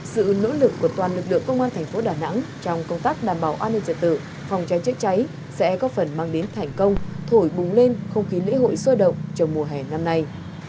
sự nỗ lực của toàn lực lượng công an thành phố đà nẵng trong công tác đảm bảo an ninh trật tự phòng cháy chữa cháy sẽ có phần mang đến thành công thổi bùng lên không khí lễ hội sôi động trong mùa hè năm nay